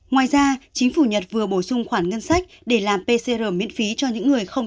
ngoài ra chính phủ nhật vừa bổ sung khoản ngân sách để làm pcr miễn phí cho những người không